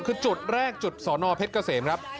คือจุดแรกจุดสอนอเพชรเกษมครับ